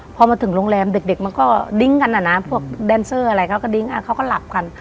พอมาถึงโรงแรมเด็กมันก็ดิ้งกันอ่ะนะพวกแดนเซอร์อะไรเขาก็ดิ้งเขาก็หลับกัน